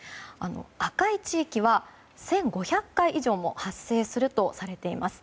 赤い地域は１５００回以上も発生するとされています。